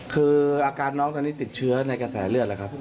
คืออาการน้องตอนนี้ติดเชื้อในกระแสเลือดแล้วครับ